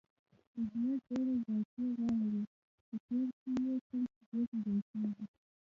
احمد ډېره ذاتي غوا لري، په کور کې یې تل شیدې پیدا کېږي.